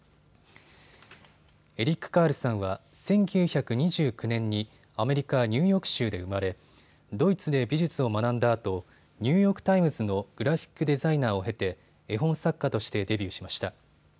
エリック・カールさんは１９２９年にアメリカ・ニューヨーク州で生まれドイツで美術を学んだあとニューヨーク・タイムズのグラフィックデザイナーを経て絵本作家としてデビューしました。